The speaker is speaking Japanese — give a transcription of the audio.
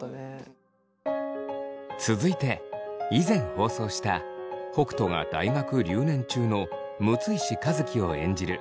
続いて以前放送した北斗が大学留年中の六石和樹を演じる